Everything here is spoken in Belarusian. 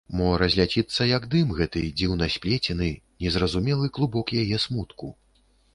Мо разляціцца, як дым, гэты дзіўна сплецены, незразумелы клубок яе смутку?